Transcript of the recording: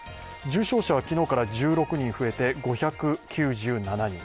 重症者は昨日から１６人増えて５９７人